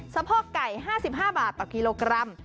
สะโพกไก่๕๕บาทต่อกิโลกรัม